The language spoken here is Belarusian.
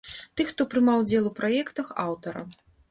Тых, хто прымаў удзел у праектах аўтара.